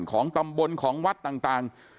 ของตำบลของวัดต่าง